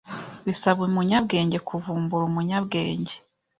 Bisaba umunyabwenge kuvumbura umunyabwenge.